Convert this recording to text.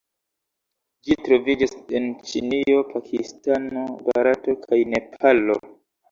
Ĝi troviĝas en Ĉinio, Pakistano, Barato kaj Nepalo.